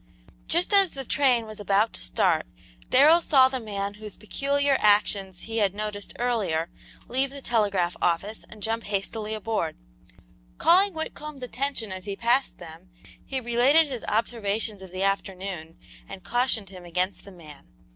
Just as the train was about to start Darrell saw the man whose peculiar actions he had noticed earlier, leave the telegraph office and jump hastily aboard. Calling Whitcomb's attention as he passed them, he related his observations of the afternoon and cautioned him against the man.